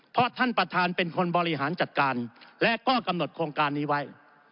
เพราะท่านประธานเป็นคนบริหารจัดการและก็กำหนดโครงการนี้ไว้